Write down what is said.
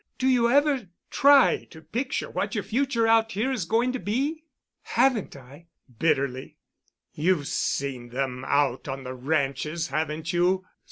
Do you ever try to picture what your future out here is going to be?" "Haven't I?" bitterly. "You've seen them out on the ranches, haven't you?